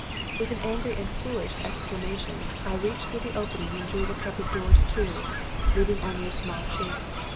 "With an angry and foolish exclamation, I reached through the opening and drew the cupboard doors to, leaving only a small chink.